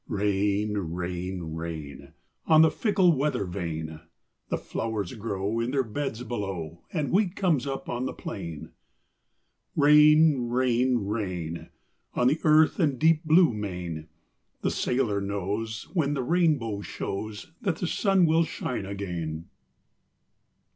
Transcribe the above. Rain, rain, rain, On the fickle weather vane; The flowers grow In their beds below, And wheat comes up on the plain. Rain, rain, rain, On the earth and deep blue main; The sailor knows When the rainbow shows That the sun will shine again.